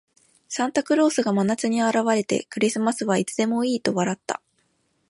サンタクロースが真夏に現れて、「クリスマスはいつでもいい」と笑った。